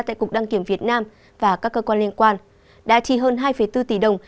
tại cục đăng kiểm việt nam và các cơ quan liên quan đã chi hơn hai bốn tỷ đồng